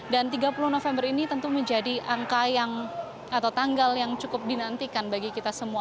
dan tiga puluh november ini tentu menjadi angka yang atau tanggal yang cukup dinantikan bagi kita semua